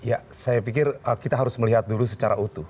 ya saya pikir kita harus melihat dulu secara utuh